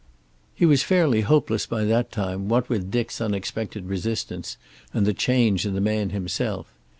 He was fairly hopeless by that time, what with Dick's unexpected resistance and the change in the man himself.